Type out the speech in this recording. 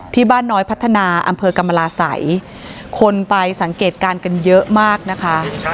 บ้านน้อยพัฒนาอำเภอกรรมราศัยคนไปสังเกตการณ์กันเยอะมากนะคะ